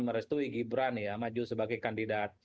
merestui gibran ya maju sebagai kandidat